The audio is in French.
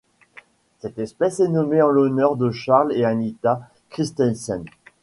Cette espèce est nommée en l'honneur de Charles et Anita Kristensen.